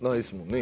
今。